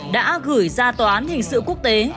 đã gửi ra tòa án hình sự quốc tế